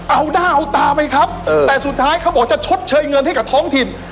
เอาหน้าเอาตาไปครับแต่สุดท้ายเขาบอกจะชดเชยเงินให้กับท้องถิ่น